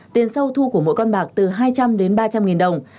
tiền sâu thu của mỗi con bạc từ hai trăm linh đến ba trăm linh nghìn đồng